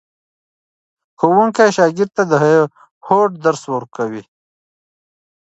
ښوونکی شاګرد ته د هوډ درس ورکوي.